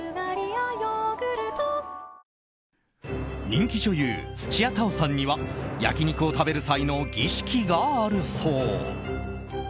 人気女優・土屋太鳳さんには焼き肉を食べる際の儀式があるそう。